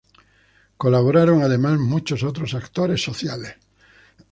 Colaboraron además muchos otros actores sociales.